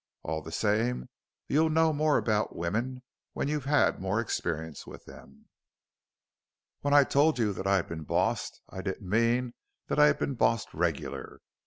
"All the same you'll know more about women when you've had more experience with them. When I told you that I'd been 'bossed,' I didn't mean that I'd been bossed regular.